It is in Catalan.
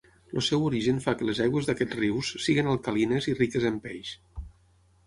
El seu origen fa que les aigües d'aquests rius siguin alcalines i riques en peix.